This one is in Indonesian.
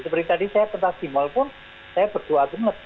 seperti tadi saya pentas di mal pun saya berdoa banget